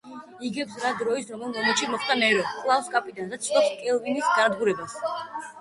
იგებს რა დროის რომელ მომენტში მოხვდა ნერო კლავს კაპიტანს და ცდილობს „კელვინის“ განადგურებას.